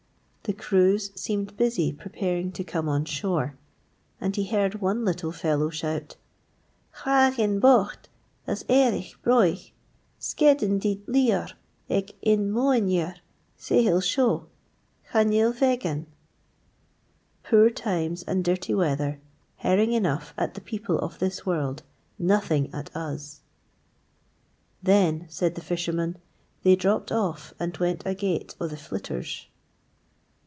The crews seemed busy preparing to come on shore, and he heard one little fellow shout: 'Hraaghyn boght as earish broigh, skeddan dy liooar ec yn mooinjer seihll shoh, cha nel veg ain!' Poor times and dirty weather, herring enough at the people of this world, nothing at us! 'Then,' said the fisherman, 'they dropped off and went agate o' the flitters.'